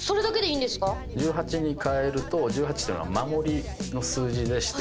１８に変えると１８ってのは守りの数字でして。